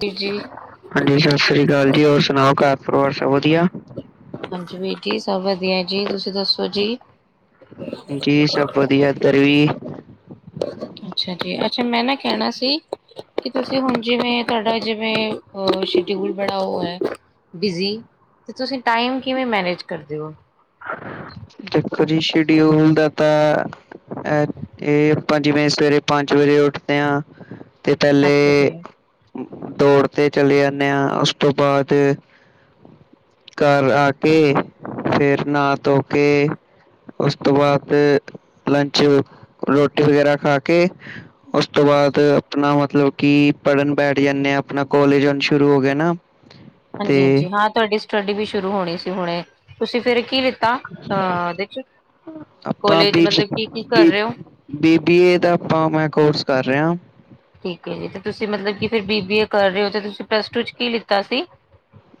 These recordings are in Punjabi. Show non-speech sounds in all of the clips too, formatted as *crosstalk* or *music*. ਜੀ ਜੀ ਹਾਂਜੀ ਸਸਰੀ ਕਾਲ ਜੀ। ਔਰ ਸੁਣਾਓ ਘਰ ਪਰਿਵਾਰ ਸਭ ਵਧੀਆ। ਹਾਂਜੀ ਵੀਰ ਜੀ ਸਭ ਵਧੀਆ ਜੀ। ਤੁਸੀ ਦੱਸੋ ਜੀ। ਜੀ ਸਭ ਵਧੀਆ ਇੱਧਰ ਵੀ। ਅੱਛਾ ਜੀ ਅੱਛਾ। ਮੈਂ ਨਾ ਕਹਿਣਾ ਸੀ ਕਿ ਤੁਸੀਂ ਹੁਣ ਜਿਵੇਂ ਤੁਹਾਡਾ ਜਿਵੇਂ ਸ਼ਡਿਊਲ ਬੜਾ ਉਹ ਐ ਬਿਜੀ। ਤੇ ਤੁਸੀਂ ਟਾਈਮ ਕਿਵੇਂ ਮੈਨੇਜ ਕਰਦੇ ਓ। ਦੇਖੋ ਜੀ ਸ਼ੇਡਊਲ ਹੁੰਦਾ ਦਾ ਤਾਂ ਅ ਇਹ ਆਪਾ ਜਿਵੇਂ ਸਵੇਰੇ ਪੰਜ ਵਜੇਂ ਉੱਠਦੇ ਆ। ਤੇ ਅੱਛਾ ਪਹਿਲੇ ਜੀ ਦੌੜ ਤੇ ਚਲੇ ਜਾਂਦੇ ਆ। ਉਸ ਤੋਂ ਬਾਅਦ ਘਰ ਆ ਕੇ‌। ਫਿਰ ਨਾਹਾ ਧੋ ਕੇ ਉਸ ਤੋਂ ਬਾਅਦ ਲੰਚ ਰੋਟੀ ਵਗੈਰਾ ਖਾ ਕੇ ਉਸ ਤੋਂ ਬਾਅਦ ਆਪਣਾ ਮਤਲਬ ਕਿ ਪੜ੍ਹਨ ਬੈਠ ਜਾਣੇ ਆ। ਆਪਣਾ ਕੋਲਜ ਹੁਣ ਸ਼ੁਰੂ ਹੋ ਗਏ ਨਾ। ਹਾਂਜੀ ਤੇ ਹਾਂਜੀ। ਹਾਂ ਤੁਹਾਡੀ ਸਟੱਡੀ ਵੀ ਸ਼ੁਰੂ ਹੋਣੀ ਸੀ ਹੁਣੇ ਤੁਸੀਂ ਫਿਰ ਕੀ ਅਹ ਦੇ ਚ ਆਪਾਂ ਕੋਲੇਜ ਬੀ ਮਤਲਬ ਕੀ ਕੀ ਕਰ ਬੀ ਰਹੇ ਓ। ਬੀ ਬੀ ਏ ਦਾ ਆਪਾਂ ਮੈਂ ਕੋਰਸ ਕਰ ਰਿਹਾ। ਠੀਕ ਐ ਜੀ ਤੇ ਤੁਸੀਂ ਮਤਲਬ ਕਿ ਫਿਰ ਬੀ ਬੀ ਏ ਕਰ ਰਹੇ ਹੋ ਤੁਸੀਂ ਪਲੱਸ ਟੂ ਚ ਕੀ ਲਿੱਤਾ ਸੀ।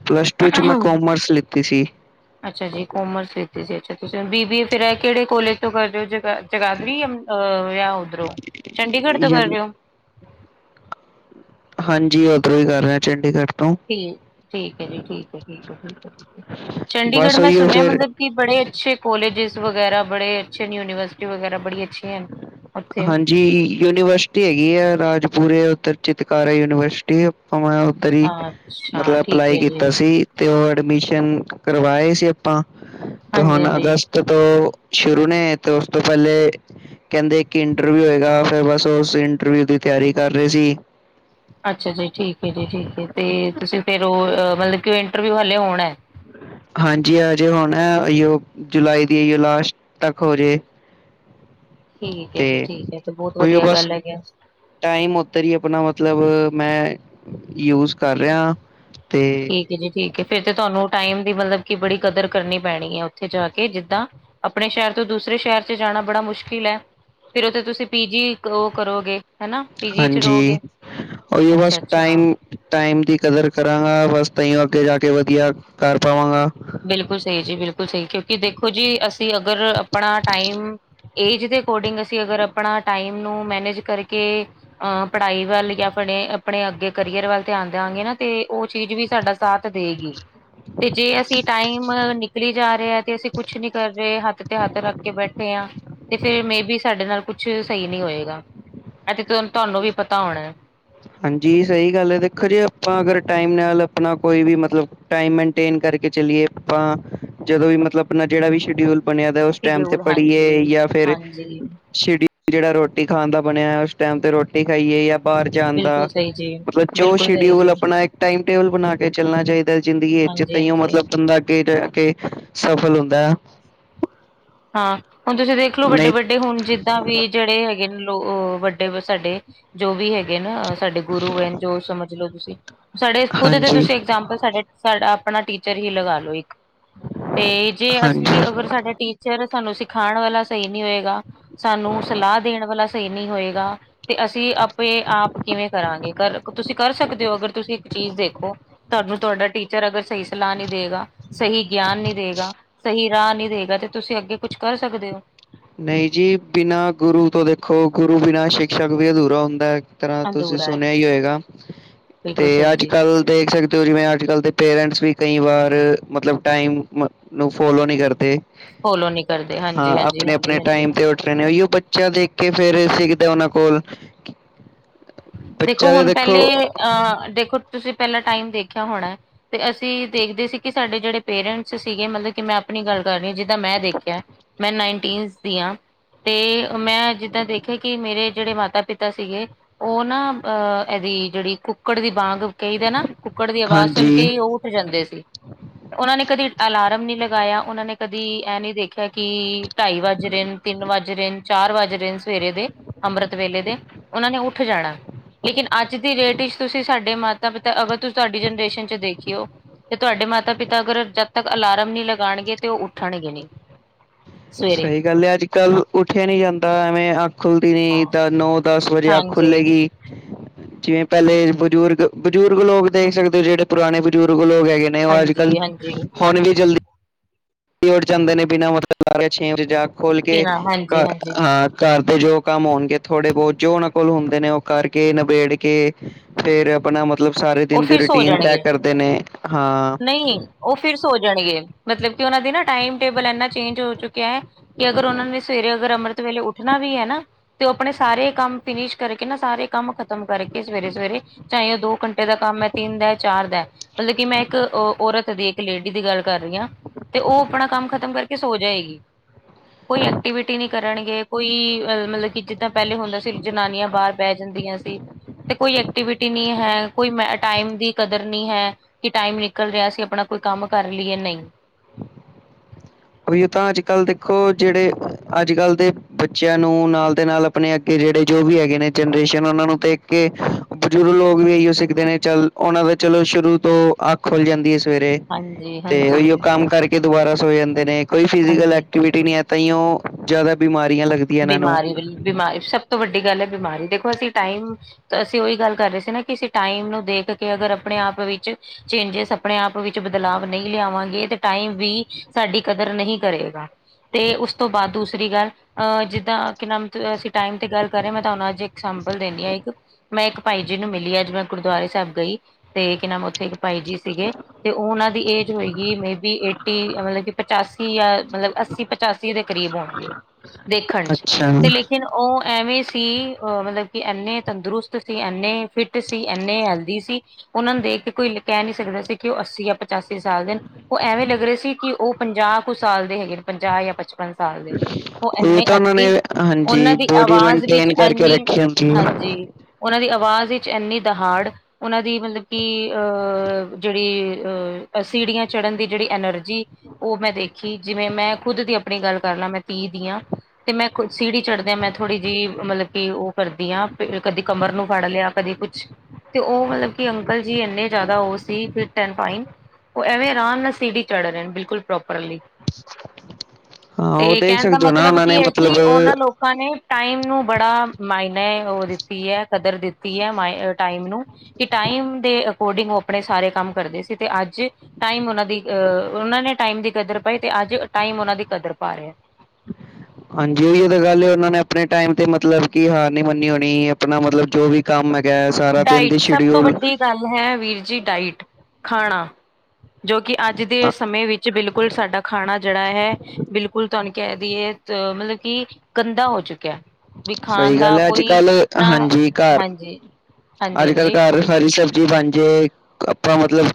ਪਲੱਸ ਟੂ ਚ ਮੈਂ ਕੋਮਰਸ ਲਿੱਤੀ ਸੀ। ਅੱਛਾ ਜੀ। ਕੋਮਰਸ ਵਿੱਚ ਅੱਛਾ-ਅੱਛਾ ਜੀ। ਤੁਸੀ ਬੀ ਬੀਏ ਫਿਰ ਕਿਹੜੇ ਕੋਲਜ ਤੋਂ ਕਰ ਰਓ ਜਗਾ ਜਗਾਦਰੀ ਜਾਂ ਆਹ ਉਧਰੋ ਚੰਡੀਗੜ੍ਹ ਤੋਂ ਕਰ ਯਮ ਰਹੇ ਹੋ। ਹਾਂਜੀ, ਓਧਰੋਂ ਹੀ ਕਰ ਰਿਹਾ ਚੰਡੀਗੜ੍ਹ। ਤੋਂ ਠੀਕ -ਠੀਕ ਐ ਜੀ, ਠੀਕ ਐ- ਠੀਕ ਐ, ਠੀਕ ਐ ਠੀਕ ਚੰਡੀਗੜ੍ਹ ਬਸ ਮੈਂ ਉਹੀਓ ਸੁਣਿਆ ਫਿਰ ਮਤਲਬ ਬੜੇ ਅੱਛੇ ਕੋਲਸ ਵਗੈਰਾ ਬੜੇ ਅੱਛੇ ਯੂਨੀਵਰਸਿਟੀ ਵਗੈਰਾ ਬੜੀ ਅੱਛੇ ਏ। ਹਾਂਜੀ ਯੂਨੀਵਰਸਿਟੀ ਹੈਗੀ ਆ ਰਾਜਪੁਰੇ ਉੱਧਰ ਚਿਤਕਾਰਾ ਯੂਨੀਵਰਸਿਟੀ ਆਪਾ ਤੇਰੀ ਅੱਛਾ ਮਤਲਬ ਠੀਕ ਅਪਲਾਈ ਹੈ ਜੀ ਕੀਤਾ ਸੀ। ਤੇ ਉਹ ਐਡਮਿਸ਼ਨ ਕਰਵਾਏ ਸੀ ਆਪਾਂ ਤੇ ਹਾਂਜੀ ਹੁਣ ਹਾਂਜੀ ਅਗਸਤ ਤੋਂ ਸ਼ੁਰੂ ਨੇ ਤੇ ਉਸ ਤੋਂ ਪਹਿਲੇ ਕਹਿੰਦੇ ਕਿ ਇੰਟਰਵਿਊ ਹੋਏਗਾ ਫਿਰ ਬਸ ਉਸੇ ਇੰਟਰਵਿਊ ਦੀ ਤਿਆਰੀ ਰਹੇ ਸੀ। ਅੱਛਾ ਜੀ ਠੀਕ ਐ ਜੀ ਠੀਕ ਐ, ਤੇ ਤੁਸੀਂ ਫੇਰ ਉਹ ਮਤਲਬ ਕਿ ਇੰਟਰਵਿਊ ਹਾਲੇ ਹੋਣਾ। ਹਾਂਜੀ, ਆਜੇ ਹੁਣ ਓਈ ਓ ਜੁਲਾਈ ਦੀ ਆਓ ਲਾਸਟ ਤੱਕ ਹੋਜੇ। ਠੀਕ ਏ ਜੀ ਠੀਕ ਏ। ਇਹ ਤੇ ਬਹੁਤ ਉਹੀਓ ਬਸ ਗੱਲ ਹੈਗੀ ਐਂ। ਟਾਈਮ ਉੱਧਰ ਹੀ ਆਪਣਾ ਮਤਲਬ ਮੈਂ ਯੂਜ ਕਰ ਰਿਹਾ ਤੇ ਠੀਕ ਐ ਜੀ ਠੀਕ ਐ। ਫਿਰ ਤੇ ਤੁਹਾਨੂੰ ਟਾਈਮ ਦੀ ਮਤਲਬ ਕਿ ਬੜੀ ਕਦਰ ਕਰਨੀ ਪੈਣੀ ਹੈ ਉੱਥੇ ਜਾ ਕੇ ਜਿੱਦਾਂ ਆਪਣੇ ਸ਼ਹਿਰ ਤੋਂ ਦੂਸਰੇ ਸ਼ਹਿਰ ਚ ਜਾਣਾ ਬੜਾ ਮੁਸ਼ਕਿਲ ਐ। ਫਿਰ ਉਥੇ ਤੁਸੀ ਪੀਜੀ ਉਹ ਕਰੋਗੇ। ਹਨਾ ਪੀਜੀ ਚ ਰੋ ਹਾਂਜੀ ਗੇ ਉਹੀਓ ਬਸ ਅੱਛਾ-ਅੱਛਾ। ਟਾਈਮ ਟਾਈਮ ਦੀ ਕਦਰ ਕਰਾਂਗਾ ਬਸ ਤਾਈਓ ਅੱਗੇ ਜਾ ਕੇ ਵਧੀਆ ਕਰ ਪਾਵਾਂਗਾ। ਬਿਲਕੁਲ ਸਹੀ ਜੀ ਬਿਲਕੁਲ ਸਹੀ। ਕਿਉਕਿ ਦੇਖੋ ਅਸੀ ਅਗਰ ਆਪਣਾ ਟਾਈਮ ਏਜ ਦੇ ਅਕੋਡਿੰਗ ਅਗਰ ਆਪਣਾ ਟਾਈਮ ਨੂੰ ਮੈਨੇਜ ਕਰਕੇ ਅਹ ਪੜ੍ਹਾਈ ਵੱਲ ਜਾਂ ਫਿਰ ਆਪਣੇ ਅੱਗੇ ਕਰੀਅਰ ਵੱਲ ਧਿਆਨ ਦਿਆਗੇ ਨਾ ਤੇ ਉਹ ਚੀਜ਼ ਵੀ ਸਾਡਾ ਸਾਥ ਦੇ ਗੀ। ਦੇ ਅਸੀ ਟਾਈਮ ਨਿਕਲੀ ਜਾ ਰਿਹਾ ਤੇ ਅਸੀ ਕੁਛ ਨੀ ਕਰ ਰਹੇ ਹੱਥ ਤੇ ਹੱਥ ਰੱਖ ਕੇ ਬੈਠੇ ਹਾਂ। ਤੇ ਫਿਰ ਮੇ ਵੀ ਸਾਡੇ ਨਾਲ ਕੁਛ ਸਹੀ ਨਹੀ ਹੋਏਗਾ ਅਤੇ ਤੁਹਾਨੂੰ ਵੀ ਪਤਾ ਹੋਣਾ। ਹਾਂਜੀ ਸਹੀ ਗੱਲ ਹੈ ਦੇਖੋ ਜੀ, ਆਪਾਂ ਅਗਰ ਟਾਈਮ ਨਾਲ ਆਪਣਾ ਕੋਈ ਵੀ ਮਤਲਬ ਟਾਈਮ ਮੇਨਟੇਨ ਕਰਕੇ ਚਲੀਏ ਆਪਾਂ, ਜਦੋਂ ਵੀ ਮਤਲਬ ਆਪਣਾ ਜਿਹੜਾ ਵੀ ਸ਼ਡਿਊਲ ਬਣਿਆ ਟਾਈਮ ਤੇ ਸ਼ਡਿਊਲ ਪੜ੍ਹੀਏ ਹਾਂਜੀ ਜਾਂ ਫਿਰ ਹਾਂਜੀ ਸ਼ ਜਿਹੜਾ ਰੋਟੀ ਖਾਣ ਦਾ ਬਣਿਆ ਹੈ, ਉਸ ਟਾਈਮ ਤੇ ਰੋਟੀ ਖਾਈਏ ਜਾਂ ਬਾਹਰ ਜਾਂ ਦਾ। ਬਿਲਕੁਲ ਸਹੀ ਜੀ ਮਤਲਬ ਜੋ ਬਿਲਕੁਲ ਸਹੀ ਸ਼ਡਿਊਲ ਜੀ ਆਪਣਾ ਇੱਕ ਟਾਈਮ ਟੇਬਲ ਬਣਾ ਕੇ ਚਲਣਾ ਚਾਹੀਦਾ, ਜ਼ਿੰਦਗੀ ਵਿੱਚ ਹਾਂਜੀ ਤਈਓ ਹਾਂਜੀ ਮਤਲਬ ਬੰਦਾ ਅੱਗੇ ਜਾ ਕੇ, ਸਫਲ ਹੁੰਦਾ ਹੈ। ਹਾਂ ਹੁਣ ਤੁਸੀਂ ਦੇਖਲੋ, ਵੱਡੇ- ਨਹੀਂ ਵੱਡੇ ਹੁਣ ਜਿੱਦਾਂ ਵੀ ਜਿਹੜੇ ਹੈਗੇ ਲੋ ਵੱਡੇ ਸਾਡੇ ਜੋ ਵੀ ਹੈਗੇ ਨਾ ਸਾਡੇ ਗੁਰੂ ਹੈ ਜੋ ਸਮਝ ਲੋੋ ਤੁਸੀਂ, ਸਾਡੇ ਖੁਦ ਦੇ ਹਾਂਜੀ ਤੁਸੀਂ ਇਗਜਾਮਪਲ ਸਾਡਾ ਆਪਣਾ ਟੀਚਰ ਹੀ ਲਗਾਾਲੋ, ਇੱਕ ਤੇ ਜੇ ਹਾਂਜੀ ਅਸੀਂ ਅਗਰ ਸਾਡੇ ਟੀ ਚ ਸਾਨੂੰ ਸਿਖਾਉਣ ਵਾਲਾ ਸਹੀ ਨਹੀ ਹੋਏਗਾ, ਸਾਨੂੰ ਸਲਾਹ ਦੇਣ ਵਾਲਾ ਸਹੀ ਨਹੀਂ ਹੋਏਗਾ। ਤੇ ਅਸੀਂ ਆਪੇ ਆਪ ਕਿਵੇਂ ਕਰਾਂਗੇ, ਕਰ ਤੁਸੀਂ ਕਰ ਸਕਦੇ ਹੋ? ਤੁਸੀਂ ਇੱਕ ਚੀਜ਼ ਦੇਖੋ। ਤੁਹਾਨੂੰ ਤੁਹਾਡਾ ਟੀਚਰ ਅਗਰ ਸਹੀ ਸਲਾਹ ਨਹੀਂ ਦੇਗਾ, ਸਹੀ ਗਿਆਨ ਨਹੀਂ ਦੇਗਾ, ਸਹੀ ਰਾਹ ਨਹੀਂ ਦੇਗਾ, ਤੇ ਤੁਸੀਂ ਅੱਗੇ ਕੁਛ ਕਰ ਸਕਦੇ ਹੋ? ਨਹੀਂ ਜੀ ਬਿਨਾਂ ਗੁਰੂ ਤੋਂ ਦੇਖੋ, ਗੁਰੂ ਬਿਨਾਂ ਸ਼ਿਕਸ਼ਕ ਵੀ ਅਧੂਰਾ ਹੁੰਦਾ ਹੈ। ਤਰ੍ਹਾਂ ਤੁਸੀਂ ਅਧੂਰਾ ਹੈ ਸੁਣਿਆ ਹੀ ਹੋਏਗਾ, ਬਿਲਕੁਲ ਤੇ ਸਹੀ ਅੱਜ ਜੀ ਕੱਲ ਦੇਖ ਸਕਦੇ ਜਿਵੇਂ ਅੱਜ ਕੱਲ੍ਹ ਦੇ ਪੇਰੈਂਟਸ ਵੀ ਕਈ ਵਾਰ ਮਤਲਬ ਟਾਈਮ ਨੂੰ ਫੋਲੋ ਨਹੀਂ ਕਰਦੇ। ਫੋਲੋ ਨੀ ਕਰਦੇ, ਹਾਂ ਹਾਂਜੀ -ਹਾਂਜੀ ਆਪਣੇ ਆਪਣੇ ਟਾਈਮ -ਹਾਂਜੀ। ਉੱਠ ਰਹੇ ਨੇ, ਉਹੀਓ ਬੱਚਾ ਦੇਖ ਕੇ ਫਿਰ ਸਿੱਖਦਾ ਉਹਨਾਂ ਕੋਲ ਦੇਖੋ ਬੱਚਾ ਤਾਂ ਹੁਣ ਪਹਿਲੇ ਅ, ਦੇਖੋ ਤੁਸੀਂ ਪਹਿਲਾਂ ਟਾਈਮ ਦੇਖਿਆ ਹੋਣਾ। ਤੇ ਅਸੀਂ ਦੇਖਦੇ ਸੀ, ਕਿ ਸਾਡੇ ਜਿਹੜੇ ਪੇਰੈਂਟਸ ਸੀਗੇ, ਮਤਲਬ ਕਿ ਮੈਂ ਆਪਣੀ ਗੱਲ ਕਰ ਰਹੀ ਹਾਂ। ਮੈਂ ਦੇਖਿਆ, ਮੈਂ ਨਾਈਨਟੀਨ ਦੀ ਹਾਂ, ਤੇ ਮੈਂ ਜਿੱਦਾਂ ਦੇਖਿਆ ਕਿ ਮੇਰੇ ਜਿਹੜੇ ਮਾਤਾ ਪਿਤਾ ਸੀਗੇ, ਉਹ ਨਾ ਅਹ ਇਹਦੀ ਜਿਹੜੀ ਕੁੱਕੜ ਦੀ ਵਾਂਗ ਕਈ ਦੇ ਨਾ ਕੁੱਕੜ ਦੀ ਆਵਾਜ਼ ਸੁਣ ਕੇ ਹਾਂਜੀ ਹੀ ਉਹ ਉੱਠ ਜਾਂਦੇ ਸੀ। ਉਹਨਾਂ ਨੇ ਕਦੀ ਅਲਾਰਮ ਨਹੀਂ ਲਗਾਇਆ, ਉਹਨਾਂ ਨੇ ਕਦੀ ਇਹ ਨਹੀਂ ਦੇਖਿਆ ਕਿ ਢਾਈ ਵੱਜ ਰਹੇ ਨੇ, ਤਿੰਨ ਵੱਜ ਰਹੇ ਨੇ, ਚਾਰ ਵੱਜ ਰਹੇ ਨੇ, ਸਵੇਰੇ ਦੇ ਅੰਮ੍ਰਿਤ ਵੇਲੇ ਦੇ। ਉਹਨਾਂ ਨੇ ਉੱਠ ਜਾਣਾ। ਲੇਕਿਨ ਅੱਜ ਦੀ ਡੇਟ ਵਿੱਚ ਤੁਸੀਂ ਸਾਡੇ ਮਾਤਾ ਪਿਤਾ, ਅਗਰ ਤੁਸੀਂ ਤੁਹਾਡੀ ਜਨਰੇਸ਼ਨ 'ਚ ਦੇਖਿਓ। ਤੇ ਤੁਹਾਡੇ ਮਾਤਾ ਪਿਤਾ ਅਗਰ ਜਦ ਤੱਕ ਅਲਾਰਮ ਨਹੀਂ ਲਗਾਉਣਗੇ, ਤੇ ਉਹ ਉੱਠਣਗੇ ਨਹੀਂ। ਸਵੇਰੇ ਸਹੀ ਗੱਲ ਹੈ ਅੱਜ ਕੱਲ੍ਹ ਉੱਠਿਆ ਨੀ ਜਾਂਦਾ, ਐਵੇਂ ਆ ਅੱਖ ਖੁਲਦੀ ਹਾਂ ਨੀ ਨੌ ਦਸ ਵਜੇ ਅੱਖ ਹਾਂਜੀ ਖੁੱਲੇਗੀ। ਜਿਵੇਂ ਪਹਿਲੇ ਬਜ਼ੁਰਗ, ਬਜ਼ੁਰਗ ਲੋਕ ਦੇਖ ਸਕਦੇ ਹੋ, ਜਿਹੜੇ ਪੁਰਾਣੇ ਬਜ਼ੁਰਗ ਲੋਕ ਹੈਗੇ ਉਹ ਅੱਜ ਕੱਲ ਹਾਂਜੀ ਹਾਂਜੀ ਹੁਣ ਵੀ ਜਲਦੀ ਜਾਂਦੇ ਨੇ ਬਿਨਾਂ ਮਤਲਬ ਲਾਰੇ ਛੇ ਵਜੇ ਜਾ ਖੋਲ ਕੇ ਬਿਨਾਂ ਹਾਂਜੀ ਹਾਂਜੀ ਘਰ ਦੇ ਜੋ ਕੰਮ ਹੋਣਗੇ, ਥੋੜੇ ਬਹੁਤ ਜੋ ਉਹਨਾਂ ਕੋਲ ਹੁੰਦੇ ਨੇ, ਉਹ ਕਰਕੇ, ਨਿਬੇੜ ਕੇ ਫੇਰ ਆਪਣਾ ਮਤਲਬ ਸਾਰੇ, ਉਹ ਦਿਨ ਦੀ ਫਿਰ ਸੋ ਰੂਟੀਨ ਤੈਅ ਜਾਣਗੇ ਕਰਦੇ ਨੇ ਹਾਂ। ਨਹੀਂ। ਉਹ ਫਿਰ ਸੋ ਜਾਣਗੇ, ਮਤਲਬ ਕਿ ਉਹਨਾਂ ਦੀ ਨਾ ਟਾਈਮ ਟੇਬਲ ਇਨਾ ਚੇਂਜ ਹੋ ਚੁੱਕਿਆ ਹੈ। ਅਗਰ ਉਹਨਾਂ ਨੇ ਸਵੇਰੇ ਅਗਰ ਵੇਲੇ ਉੱਠਣਾ ਵੀ ਹੈ ਨਾ ਤੇ ਉਹ ਆਪਣੇ ਸਾਰੇ ਕੰਮ ਫਿਨਿਸ ਕਰਕੇ ਨਾ, ਸਾਰੇ ਕੰਮ ਖ਼ਤਮ ਕਰਕੇ, ਸਵੇਰੇ- ਸਵੇਰੇ ਚਾਹੇ ਉਹ ਦੋ ਘੰਟੇ ਦਾ ਕੰਮ ਐ, ਤਿੰਨ ਦਾ, ਚਾਰ ਦਾ, ਮਤਲਬ ਕਿ ਮੈਂ ਇੱਕ ਔਰਤ ਦੇ ਲੇਡੀ ਦੀ ਗੱਲ ਕਰ ਰਹੀ ਆ, ਤੇ ਉਹ ਆਪਣਾ ਕੰਮ ਖਤਮ ਕਰਕੇ ਸੋ ਜਾਏਗੀ। ਕੋਈ ਐਕਟੀਵਿਟੀ ਨਹੀਂ ਕਰਨਗੇ, ਕੋਈ ਅ ਮਤਲਬ ਕਿ ਜਿ ਤਾਂ ਪਹਿਲੇ ਹੁੰਦਾ ਸੀ ਜਨਾਨੀਆਂ ਬਾਹਰ ਬਹਿ ਜਾਂਦੀਆਂ ਸੀ, ਤੇ ਕੋਈ ਐਕਟੀਵਿਟੀ ਨਹੀਂ ਹੈ। ਕੋਈ ਮੈਂ ਟਾਈਮ ਦੀ ਕਦਰ ਨਹੀਂ ਹੈ ਕਿ ਟਾਈਮ ਨਿਕਲ ਰਿਹਾ ਸੀ ਅਸੀਂ ਆਪਣਾ ਕੋਈ ਕੰਮ ਕਰ ਲਈਏ ਨਹੀਂ, ਕੋਈ ਉਹ ਤਾਂ ਅੱਜ-ਕੱਲ੍ਹ ਦੇਖੋ ਜਿਹੜੇ ਅੱਜ-ਕੱਲ੍ਹ ਦੇ। ਬੱਚਿਆਂ ਨੂੰ ਨਾਲ ਦੇ ਨਾਲ ਆਪਣੇ ਅੱਗੇ ਜਿਹੜੇ ਜੋ ਵੀ ਹੈਗੇ ਨੇ ਜਨਰੇਸ਼ਨ ਉਹਨਾਂ ਨੂੰ ਤੇ। ਕੇ ਬਜ਼ੁਰਗ ਲੋਕ ਵੀ ਇਹੀਓ ਸਿੱਖਦੇ ਨੇ ਚੱਲ ਉਹਨਾਂ ਦਾ ਚੱਲੋ ਸ਼ੁਰੂ ਤੋਂ ਅੱਖ ਖੁੱਲ ਜਾਂਦੀ ਐ। ਸਵੇਰੇ ਹਾਂਜੀ ਤੇ ਹਾਂਜੀ ਉਹੀ ਉਹ ਕੰਮ ਕਰਕੇ ਦੁਬਾਰਾ ਸੋ ਜਾਂਦੇ ਨੇ ਕੋਈ ਫਿਜ਼ਕਲ ਹਾਂਜੀ ਐਕਟੀਵ ਟੀ ਨਹੀਂ ਐ ਤਾਹੀਂਓ ਜ਼ਿਆਦਾ ਬਿਮਾਰੀਆਂ ਲੱਗ ਬਿਮਾਰੀ-ਬਿਮਾਰੀ ਸਭ ਤੋਂ ਵੱਡੀ ਗੱਲ ਐ ਬਿਮਾਰੀ ਦੇਖੋ ਅਸੀਂ ਟਾਈਮ ਤਾਂ ਅਸੀਂ ਉਹੀ ਗੱਲ ਕਰ ਰਹੇ ਸੀ ਨਾ ਕਿ ਅਸੀ ਟਾਈਮ ਨੂੰ ਦੇਖ ਕੇ ਅਗਰ ਆਪਣੇ ਆਪ ਵਿੱਚ ਚੇਂਜਸ ਆਪਣੇ ਆਪ ਵਿਚ ਬਦਲਾਵ ਨਹੀਂ ਲਿਆਵਾਂਗੇ ਤੇ ਟਾਈਮ ਵੀ ਸਾਡੀ ਕਦਰ ਨਹੀਂ ਕਰੇਗਾ। ਤੇ ਉਸ ਬਾਅਦ ਦੂਸਰੀ ਗੱਲ ਅਹ ਜਿੱਦਾਂ ਕਿ ਨਾਮ ਅਸੀਂ ਟਾਈਮ ਤੇ ਗੱਲ ਕਰ ਰਹੇ ਮੈਂ ਤੁੂੰ ਅੱਜ ਸਪਲ ਦਿੰਦੀ ਆ ਇੱਕ ਮੈਂ ਇੱਕ ਭਾਈ ਜੀ ਨੂੰ ਮਿਲੀ ਅੱਜ ਮੈਂ ਗੁਰਦੁਆਰੇ ਸਾਹਿਬ ਗਈ ਤੇ ਕੀ ਨਾਮ ਉੱਥੇ। ਬਾਈ ਜੀ ਸੀਗੇ ਤੇ ਉਹਨਾਂ ਦੀ ਏਜ ਹੋਏਗੀ ਮੇਬੀ ਏਟੀ ਮਤਲਬ ਕਿ ਪਚਾਸੀ ਅ ਜਾਂ ਮਤਲਬ ਅੱਸ- ਪਚਾਸੀ ਦੇ ਕਰੀਬ ਹੋਣਗੇ ਉਹ ਦੇਖਣ ਚ ਅੱਛਾ ਤੇ ਲੇ ਲੇਕਿਨ ਉਹ ਐਵੇਂ ਸੀ ਮਤਲਬ ਕਿ ਇੰਨੇ ਤੰਦਰੁਸਤ ਸੀ, ਇੰਨੇ ਫਿਟ ਸੀ, ਇੰਨੇ ਹੈਲਦੀ ਸੀ। ਉਹਨਾਂ ਨੂੰ ਦੇਖ ਕੇ ਕੋਈ ਕਹਿ ਨੀ ਸਕਦਾ ਸੀ ਕਿ ਉਹ ਅੱਸੀ ਜਾਂ ਪਚਾਸੀ ਸਾਲ ਦੇ ਨੇ। ਉਹ ਐਵੇਂ ਲੱਗ ਰਹੇ ਸੀ ਕਿ ਉਹ ਪੰਜਾਹ ਕੁ ਸਾਲ ਦੇ ਹੈਗੇ ਨੇ ਪੰਜਾਹ ਜਾਂ ਪਚਪਨ ਸਾਲ। ਦੇ ਉਹ ਇੰਨੇ ਤਾਂ ਉਹਨਾਂ ਨੇ ਐਕਟਿਵ ਹਾਂਜੀ ਉਹਨਾਂ ਦੀ ਬੋਡੀ ਆਵਾਜ਼ ਵਿੱਚ ਮੇਨਟੇਨ ਕਰਕੇ ਐਨੀ ਰੱਖੀ ਹੁੰਦੀ। ਹਾਂਜੀ ਉਹਨਾਂ ਦੀ ਆਵਾਜ਼ ਵਿੱਚ ਇੰਨੀ ਦਹਾੜ। ਉਹਨਾਂ ਦੀ ਮਤਲਬ ਕਿ ਅਹ ਜਿਹੜੀ ਅਹ ਸੀਡੀਆਂ ਚੜ੍ਹਨ ਦੀ ਜਿਹੜੀ ਐਨਰ ਜੀ ਉਹ ਮੈਂ ਦੇਖੀ ਜਿਵੇਂ ਮੈਂ ਖੁਦ ਦੀ ਆਪਣੀ ਗੱਲ ਕਰ ਲਾਂ ਮੈਂ ਤੀਹ ਦੀ ਆ। ਤੇ ਮੈਂ ਸੀਡੀ ਚੜ੍ਹਦਿਆਂ ਮੈਂ ਥੋੜ੍ਹੀ ਜਿਹੀ ਮਤਲਬ ਕਿ ਉਹ ਕਰਦੀ ਹਾਂ ਕਦੀ ਕਮਰ ਨੂੰ ਫੜ ਲਿਆ। ਕਦੇ ਕੁਛ ਤੇ ਉਹ ਮਤਲਬ ਕਿ ਅੰਕਲ ਜੀ ਇੰਨੇ ਜ਼ਿਆਦਾ ਉਹ ਸੀ ਫਿਟ ਐਂਡ ਫਾਈਨ। ਉਹ ਐਵੇਂ ਆਰਾਮ ਨਾਲ ਸੀਡੀ ਚੜ੍ਹ ਰਹੇ ਨੇ ਬਿਲਕੁਲ ਪ੍ਰੋਪ ਹਾਂ ਤੇ ਉਹ ਦੇਖ ਕਹਿਣ ਦਾ ਸਕਦੇ ਹੋ ਨਾ ਮਤਲਬ ਉਹਨਾਂ ਨੇ ਕੀ ਹੈ ਮਤਲਬ ਕਿ ਉਹਨਾਂ ਲੋਕਾਂ ਨੇ ਟਾਈਮ ਨੂੰ ਬੜਾ ਮਾਇਨੇ ਉਹ ਦਿੱਤੀ ਐ ਕਦਰ ਦਿੱਤੀ ਐ ਮ ਟਾਈਮ ਨੂੰ। ਕਿ ਟਾਈਮ ਦੇ ਅਕੋਰਡਿੰਗ ਉਹ ਆਪਣੇ ਸਾਰੇ ਕੰਮ ਕਰਦੇ ਸੀ ਤੇ ਅੱਜ ਟਾਈਮ ਉਹਨਾਂ ਦੀ ਅ ਉਹ ਨੇ ਟਾਈਮ ਦੀ ਕਦਰ ਪਾਈ ਤੇ ਅੱਜ ਟਾਈਮ ਉਹਨਾਂ ਦੀ ਕਦਰ ਪਾ ਰਿਹਾ। *inaudible* ਹਾਂਜੀ ਉਹੀਓ ਤਾਂ ਗੱਲ ਐ ਉਹਨਾਂ ਨੇ ਆਪਣੇ ਟਾਈਮ ਤੇ ਮਤਲਬ ਕਿ ਹਾਰ ਨੀ ਮੰਨੀ ਹੋਣੀ ਆਪਣਾ ਮਤਲਬ ਜੋ ਵੀ। ਕੰਮ ਹੈਗਾ ਸਾਰਾ ਦਿਨ ਦੀ ਸ਼ਡਿਊਲ ਕੰਮ ਹੈ ਵੀਰ ਜੀ ਡਾਇਟ, ਖਾਣਾ, ਜੋ ਕਿ ਅੱਜ ਦੇ ਸਮੇਂ ਵਿੱਚ ਚ ਬਿਲਕੁਲ ਸਾਡਾ ਖਾਣਾ ਜਿਹੜਾ ਹੈ। ਬਿਲਕੁਲ ਤੁਹਾਨੂੰ ਕਹਿ ਦਈਏ ਅ ਮਤਲਬ ਕਿ ਗੰਦਾ ਹੋ ਚੁੱਕਿਆ। ਵੀ ਖਾਣ ਸਹੀ ਦਾ ਗੱਲ ਹੈ ਅੱਜ ਕੋਈ ਨਾ ਹਾਂਜੀ। ਹਾਂਜੀ ਅੱਜ-ਕੱਲ੍ਹ ਹਾਂਜੀ ਘਰ, ਹਰੀ ਸਬਜ਼ੀ ਬਣ ਜੇ ਆਪਾਂ ਮਤਲਬ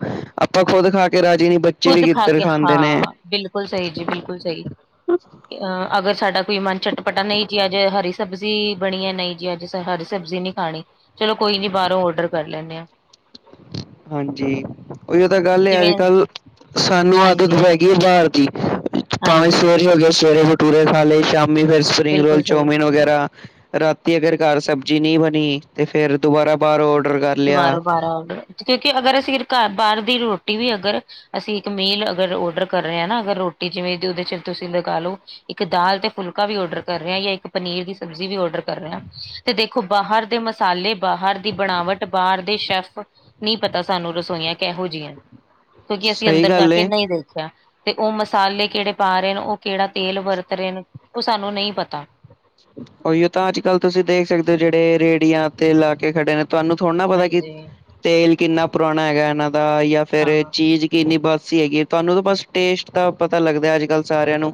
ਆਪਾਂ ਖੁਦ ਖਾ ਕੇ ਰਾਜੀ ਨੀ ਬੱ ਖੁਦ ਖਾ ਕੇ ਹਾਂ ਬਿਲਕੁਲ ਸਹੀ ਜੀ ਬਿਲਕੁਲ ਸਹੀ। ਅ ਅਗਰ ਸਾਡਾ ਕੋਈ ਮਨ ਚਟਪਟਾ ਨਹੀਂ ਅੱਜ ਹਰੀ ਸਬਜ਼ੀ ਬਣੀ ਨਹੀਂ ਜੀ ਅੱਜ। ਹਰੀ ਸਬਜ਼ੀ ਨੀ ਖਾਣੀ ਚੱਲੋ ਕੋਈ ਨੀਂ ਬਾਹਰੋਂ ਓਡਰ ਕਰ ਲੈਣੇ ਆ। ਹਾਂਜੀ। ਉਹੀ ਉਹ ਤਾਂ ਗੱਲ ਐ ਜਿਵੇਂ ਅੱਜ-ਕੱਲ੍ਹ ਸਾਨੂੰ ਹਾਂਜੀ ਆਦਤ ਪੈ ਹਾਂਜੀ ਗਈ ਐ ਬਾਹਰ ਦੀ। ਭਾਵੇਂ ਹਾਂਜੀ ਸਵੇਰੇ ਹੋ ਗਏ ਸਵੇਰੇ ਬਟੂਰੇ ਖਾ ਲਏ ਸ਼ਾਮੀ ਫਿਰ ਸਪਰਿੰਗ ਰੋਲ, ਬਿਲਕੁਲ ਸਹੀ ਚੌਮਿਨ ਵਗੈਰਾ। ਰਾਤੀ ਅਗਰ ਘਰ ਸਬਜ਼ੀ ਨਹੀਂ ਬਣੀ ਤੇ ਫੇਰ ਦੁਬਾਰਾ ਬਾਹਰੋ ਔਡਰ ਕਰ ਲਿਆ ਦਬਾਰੋਂ ਬਾਹਰੋ ਆਉਂਦਾ ਕਿਉਂਕਿ ਅਗਰ ਅਸੀਂ ਘਰ ਬਾਹਰ ਦੀ ਰੋਟੀ ਵੀ ਅਗਰ। ਅਸੀਂ ਇੱਕ ਮੀਲ ਅਗਰ ਔਡਰ ਕਰ ਰਹੇ ਹਾਂ ਨਾ ਅਗਰ ਰੋਟੀ ਜਿਵੇਂ ਉਹਦੇ ਚ ਤੁਸੀਂ ਲਗਾ ਲੋ। ਇੱਕ ਦਾਲ ਤੇ ਫੁਲਕਾ ਵੀ ਔਡਰ ਕਰ ਰਿਹਾ ਜਾਂ ਇੱਕ ਪਨੀਰ ਦੀ ਸਬਜ਼ੀ ਵੀ ਕਰ ਰਿਹਾ। ਤੇ ਦੇਖੋ ਬਾਹਰ ਦੇ ਮਸਾਲੇ ਬਾਹਰ ਦੀ ਬਣਾਵਟ ਬਾਹਰ ਦੇ ਸ਼ੈਫ, ਨਹੀਂ ਪਤਾ ਸਾਨੂੰ ਰਸੋਈਆਂ ਕਿਹੋ ਜਿਹੀਆਂ। ਕਿਉਕਿ ਅਸੀਂ ਸਹੀ ਅੰਦਰ ਜਾ ਗੱਲ ਕੇ ਏ ਨਹੀਂ ਦੇਖਿਆ। ਤੇ ਉਹ ਮਸਾਲੇ ਕਿਹੜੇ ਪਾ ਰਹੇ ਨੇ। ਉਹ ਕਿਹੜਾ ਤੇਲ ਵਰਤ ਰਹੇ ਨੇ। ਉਹ ਸਾਨੂੰ ਨਹੀਂ ਪਤਾ। ਉਹੀਓ ਤਾਂ ਅੱਜ-ਕੱਲ੍ਹ ਤੁਸੀ ਦੇਖ ਸਕਦੇ ਹੋ ਜਿਹੜੇ ਰੇਹੜੀਆਂ ਤੇ ਇਲਾਕੇ ਖੜੇ ਨੇ। ਤੁਹਾਨੂੰ ਥੋੜ੍ਹਾ ਨਾ ਪਤਾ ਕਿ ਹਾਂਜੀ ਤੇਲ ਕਿੰਨਾ ਪੁਰਾਣਾ ਹੈਗਾ ਇਹਨਾਂ ਦਾ ਜਾਂ ਫਿਰ ਹਾਂ ਚੀਜ਼ ਕਿੰਨੀ ਬਾਸੀ ਹੀ ਹੈਗੀ ਹੈ ਤੁਹਾਨੂੰ ਤਾਂ ਬਸ ਟੇਸਟ ਤਾਂ ਪਤਾ ਲੱਗਦਾ ਅੱਜ ਕੱਲ੍ਹ ਸਾਰਿਆਂ ਨੂੰ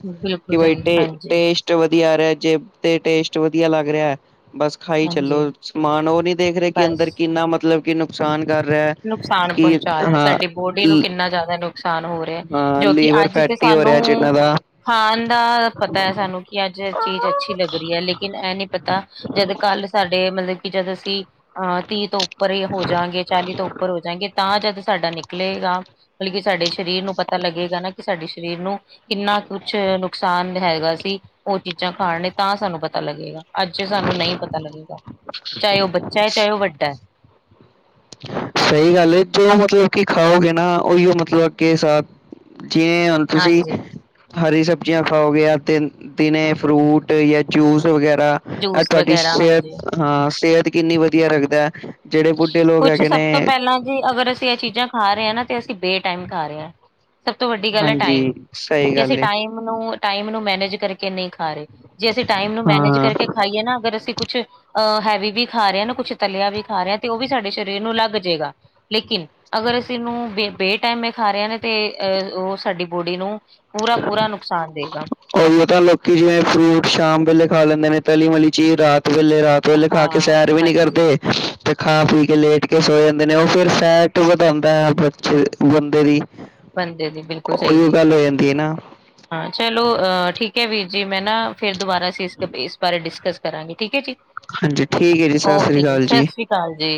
ਕਿ ਬਿਲਕੁਲ ਬਾਈ ਸਹੀ ਟੇ ਹਾਂਜੀ ਟੇਸਟ ਵਧੀਆ ਆ ਰਿਹਾ ਜੇ ਤੇ ਟੇਸਟ ਵਧੀਆ ਲੱਗ ਰਿਹਾ ਐ ਬਸ। ਖਾਈ ਚਲੋ ਹਾਂਜੀ ਸਮਾਨ ਉਹ ਨੀ ਦੇਖ ਰਹੇ ਕਿ ਅੰਦਰ ਬਸ ਕਿੰਨਾ ਮਤਲਬ ਕਿ ਨੁਕਸਾਨ ਕਰ ਰਿਹਾ ਨੁਕਸਾਨ ਕਿ ਪਹੁੰਚਾ ਹਾਂ। ਰਿਹਾ ਸਾਡੀ ਬੋਡੀ ਨੂੰ ਕਿੰਨਾ ਜ਼ਿਆਦਾ ਨੁਕਸਾਨ ਹੋ ਰਿਹਾ। ਹਾਂ। ਜੋ ਕਿ ਲੀਵਰ ਅੱਜ ਤੇ ਫੈਟੀ ਹੋ ਸਾਨੂੰ ਰਿਹਾ ਜਿਹਨਾਂ ਦਾ। ਖਾਣ ਦਾ ਪਤਾ ਐ। ਸਾਨੂੰ ਕਿ ਅੱਜ ਇਹ ਚੀਜ਼ ਅੱਛੀ ਲੱਗ ਰਹੀ ਏ। ਲੇਕਿਨ ਇਹ ਨੀ ਪਤਾ ਜਦ ਕੱਲ ਸਾਡੇ ਮਤਲਬ ਕਿ ਜਦ ਅਸੀ ਅਹ ਤੀਹ ਤੋਂ ਉੱਪਰ ਹੋ ਜਾਵਾਂਗੇ ਚਾਲੀ ਤੋਂ ਉੱਪਰ ਹੋ ਜਾਏਗੇ ਤਾਂ ਜਦ ਸਾਡਾ ਨਿਕਲੇਗਾ ਮਤਲਬ ਕਿ ਸਾਡੇ ਸਰੀਰ ਨੂੰ ਪਤਾ ਲੱਗੇਗਾ ਨਾ ਕਿ ਸਾਡੇ ਸਰੀਰ ਨੂੰ ਕਿੰਨਾ ਕੁਛ ਨੁਕਸਾਨ ਹੈਗਾ ਸੀ ਉਹ ਚੀਜ਼ਾਂ ਖਾਣ ਲਈ ਤਾਂ ਸਾਨੂੰ ਪਤਾ ਲੱਗੇਗਾ। ਅੱਜ ਸਾਨੂੰ ਨਹੀ ਪਤਾ ਲੱਗੇਗਾ, ਚਾਹੇ ਉਹ ਬੱਚਾ ਹੈ ਚਾਹੇ ਉਹ ਵੱਡਾ। ਸਹੀ ਗੱਲ ਏ। ਜੋ ਮਤਲਬ ਕਿ ਖਾਓਗੇ ਨਾ ਉਹੀਓ ਮਤਲਬ ਕੇ ਸਾ ਜਿਵੇਂ ਤੁਸੀ ਹਾਂਜੀ ਹਰੀ ਸਬਜ਼ੀਆਂ ਖਾਉਗੇ ਤਨ ਦਿਨੇ ਫਰੂਟ ਜਾਂ ਜੂਸ ਵਗੈਰਾ ਇਹ ਜੂਸ ਤੁਹਾਡੀ ਵਗੈਰਾ ਸਿਹਤ ਹਾਂਜੀ ਹਾਂ ਸਿਹਤ ਕਿੰਨੀ ਵਧੀਆ ਰੱਖਦਾ ਜਿਹੜੇ ਬੁੱਢੇ ਲੋਕ ਹੈਗੇ ਕੁਛ ਸਭ ਤੋਂ ਨੇ ਪਹਿਲਾਂ ਜੀ ਅਗਰ ਅਸੀ ਇਹ ਚੀਜ਼ਾਂ ਖਾ ਰਹੇ ਹਾਂ ਨਾ ਤੇ ਅਸੀਂ ਬੇ ਟਾਈਮ ਖਾ ਰਹੇ ਹਾਂ। ਸਭ ਤੋਂ ਵੱਡੀ ਗੱਲ ਏ ਟਾਈਮ, ਹਾਂਜੀ ਸਹੀ ਕਿਸੇ ਗੱਲ ਏ ਟਾਈਮ ਟਾਈਮ ਨੂੰ ਮੈਨੇਜ ਕਰਕੇ ਨਹੀਂ ਖਾ ਰਹੇ। ਜੇ ਅਸੀਂ ਟਾਈਮ ਨੂੰ ਮੈਨੇਜ ਹਾਂ ਕਰਕੇ ਖਾਈਏ ਨਾ ਅਗਰ ਅਸੀ ਕੁਛ ਅਹ ਹੈਵੀ ਵੀ ਖਾ ਰਹੇ ਨਾ ਕੁੱਛ ਤਲਿਆ ਵੀ ਖਾ ਰਹੇ ਆ ਤੇ ਉਹ ਵੀ ਸਾਡੇ ਸਰੀਰ ਨੂੰ ਲੱਗ ਜਾਏਗਾ। ਲੇਕਿਨ ਅਗਰ ਅਸੀ ਇਹਨੂੰ ਬੇ ਬੇ ਟਾਈਮੇ ਖਾ ਰਹੇ ਨੇ ਤੇ ਅਹ ਉਹ ਸਾਡੀ ਬੋਡੀ ਨੂੰ ਪੂਰਾ-ਪੂਰਾ ਨੁਕਸਾਨ ਦੇਗਾ। ਉਹੀ ਤਾਂ ਲੋਕੀ ਜਿਵੇ ਫਰੂਟ ਸ਼ਾਮ ਵੇਲੇ ਖਾ ਲੈਂਦੇ ਨੇ ਤਲੀ ਮਲੀ ਚੀਜ਼ ਰਾਤ ਵੇਲੇ ਰਾਤ ਰਾਤ ਵੇਲੇ ਖਾ ਹਾਂ ਕੇ ਸੈਰ ਵੀ ਨੀ ਹਾਂਜੀ ਕਰਦੇ। ਤੇ ਖਾ ਪੀ ਕੇ ਲੇਟ ਕੇ ਸੋਏ ਜਾਂਦੇ ਨੇ। ਉਹ ਫਿਰ ਫੈਟ ਵਧਾਦਾ ਬੱਚੇ ਦੀ ਬੰਦੇ ਦੀ। ਬੰਦੇ ਦੀ ਬਿਲਕੁਲ ਸਹੀ ਉਹੀ ਓ ਜੀ, ਗੱਲ ਹੋ ਜਾਂਦੀ ਹੈ ਨਾ, ਹਾਂ ਚਲੋ ਅਹ ਠੀਕ ਹੈ ਵੀਰ ਜੀ ਮੈਂ ਨਾ ਫਿਰ ਦੁਬਾਰਾ ਅਸੀ ਇਸ ਇਸ ਬਾਰੇ ਡਿਸਕਸ ਕਰਾਂਗੇ ਠੀਕ ਏ ਜੀ। ਹਾਂਜੀ ਠੀਕ ਹੈ ਜੀ ਸਾਸਰੀ ਕਾਲ ਜੀ। ਹਾਂਜੀ